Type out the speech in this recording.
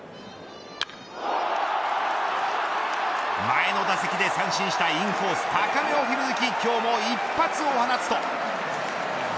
前の打席で三振したインコース高めを振り抜き今日も一発を放つと。